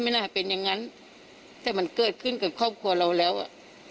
น่าเป็นอย่างงั้นแต่มันเกิดขึ้นกับครอบครัวเราแล้วอ่ะ